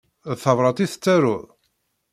D tabrat i tettaruḍ?